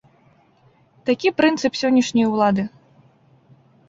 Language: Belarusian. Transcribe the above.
Такі прынцып сённяшняй улады.